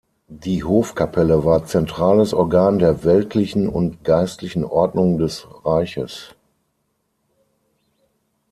Die Hofkapelle war zentrales Organ der weltlichen und geistlichen Ordnung des Reiches.